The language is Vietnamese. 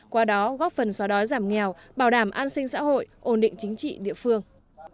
qua đó góp phần xóa đói giảm nghèo bảo đảm an sinh xã hội ổn định chính trị địa phương